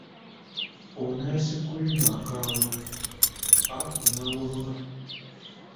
Ono ice cream akaawa, Aku n'awoloma.